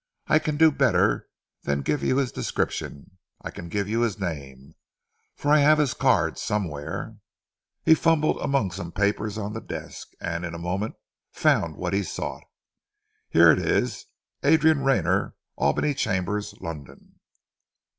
I can do better than give you his description. I can give you his name, for I have his card somewhere." He fumbled among some papers on the desk, and in a moment found what he sought. "Here it is! Adrian Rayner, Albany Chambers, London."